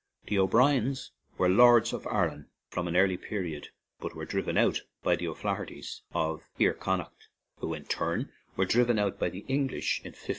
The O'Briens were lords of Aran from an early period, but were driven out by the O'Flaherties of Iar Connaught, who in turn were driven out by the English in 1587.